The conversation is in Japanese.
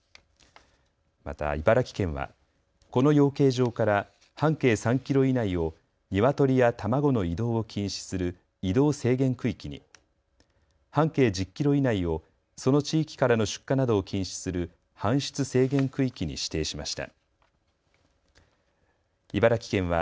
また茨城県は、この養鶏場から半径３キロ以内をニワトリや卵の移動を禁止する移動制限区域に、半径１０キロ以内をその地域からの出荷などを禁止する搬出制限区域に指定しました。